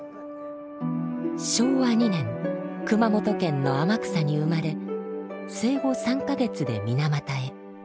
昭和２年熊本県の天草に生まれ生後３か月で水俣へ。